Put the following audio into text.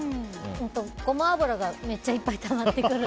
ゴマ油がめっちゃいっぱいたまってくる。